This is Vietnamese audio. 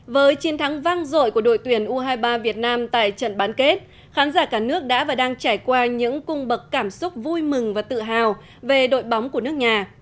với chiến thắng vang dội của đội tuyển u hai mươi ba việt nam tại trận bán kết khán giả cả nước đã và đang trải qua những cung bậc cảm xúc vui mừng và tự hào về đội bóng của nước nhà